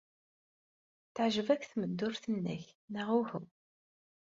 Teɛjeb-ak tmeddurt-nnek, neɣ uhu?